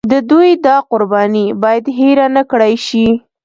د دوی دا قرباني باید هېره نکړای شي.